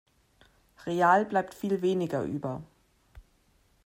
Real bleibt viel weniger über.